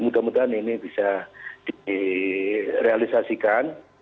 mudah mudahan ini bisa direalisasikan